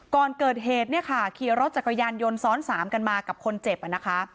ก่อนเกิดเหตุเนี่ยค่ะขี่รถจักรยานยนต์ซ้อนสามกันมากับคนเจ็บนะคะ